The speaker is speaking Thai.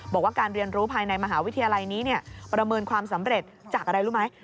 บอกว่าการเรียนรู้ภายในมหาวิทยาลัยนี้ประเมินความสำเร็จจากอะไรรู้ไหม